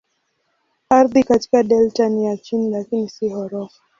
Ardhi katika delta ni ya chini lakini si ghorofa.